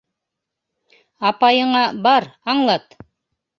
Апайыңа, бар, аңлат.